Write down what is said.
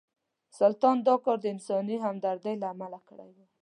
سلطان دا کار د انساني همدردۍ له امله کړی و.